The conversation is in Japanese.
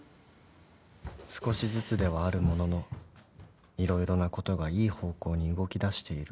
［少しずつではあるものの色々なことがいい方向に動きだしている］